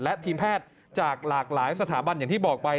และทีมแพทย์จากหลากหลายสถาบันอย่างที่บอกไป